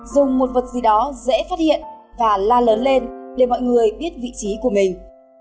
dùng một vật gì đó dễ phát hiện và la lớn lên để mọi người biết vị trí của mình